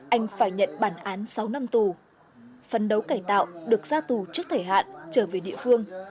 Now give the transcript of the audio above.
anh phải nhận bản án sáu năm tù phấn đấu cải tạo được ra tù trước thời hạn trở về địa phương